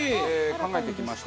考えてきました。